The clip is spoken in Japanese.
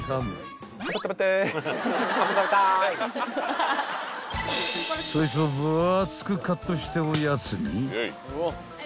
［そいつを分厚くカットしておやつに］